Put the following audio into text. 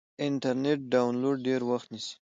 انټرنیټ ډاونلوډ ډېر وخت نیسي.